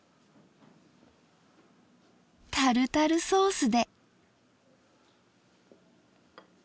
タルタルソースで。